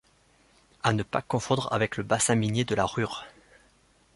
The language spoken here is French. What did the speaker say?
À ne pas confondre avec le bassin minier de la Rhur.